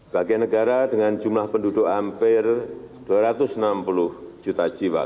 bagi negara dengan jumlah penduduk hampir dua ratus enam puluh juta jiwa